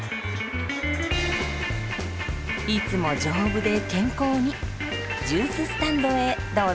いつも丈夫で健康にジューススタンドへどうぞ。